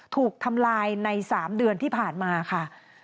ถูกทำลายใน๓เดือนที่ผ่านมาค่ะ